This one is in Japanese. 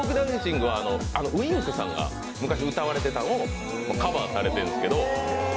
Ｗｉｎｋさんが昔歌われてたのをカバーされてるんですけど。